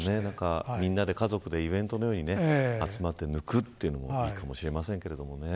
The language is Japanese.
みんなで家族でイベントのように集まって抜くというのもいいかもしれませんけどね。